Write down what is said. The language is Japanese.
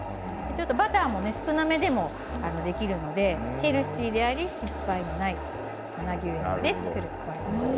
バターも少なめでもできるのでヘルシーであり失敗のない粉牛乳で作るホワイトソースです。